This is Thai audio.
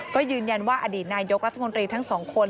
ก็ยืนยันว่าอดีตนายกรัฐมนตรีทั้งสองคน